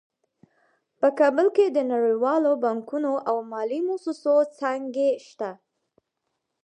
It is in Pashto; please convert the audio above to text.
په کابل کې د نړیوالو بانکونو او مالي مؤسسو څانګې شته